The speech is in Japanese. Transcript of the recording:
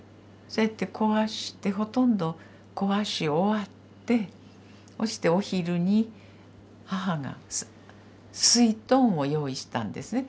そうやって壊してほとんど壊し終わってそしてお昼に母がすいとんを用意したんですね。